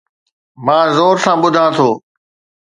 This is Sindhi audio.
مان زور سان ٻڌان ٿو